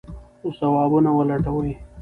ځوابونه ولټوئ.